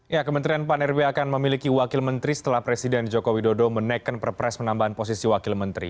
ya kementerian pan rb akan memiliki wakil menteri setelah presiden joko widodo menaikkan perpres penambahan posisi wakil menteri